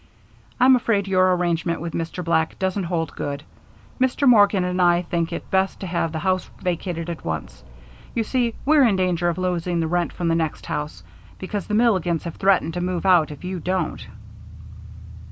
"I'm afraid your arrangement with Mr. Black doesn't hold good. Mr. Morgan and I think it best to have the house vacated at once. You see, we're in danger of losing the rent from the next house, because the Milligans have threatened to move out if you don't."